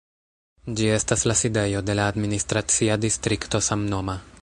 Ĝi estas la sidejo de la administracia distrikto samnoma.